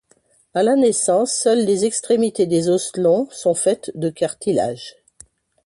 À la naissance, seules les extrémités des os longs sont faites de cartilage.